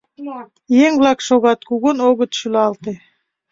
Еҥ-влак шогат, кугун огыт шӱлалте.